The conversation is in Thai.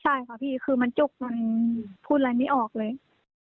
ใช่ค่ะพี่คือมันจุกมันพูดอะไรไม่ออกเลย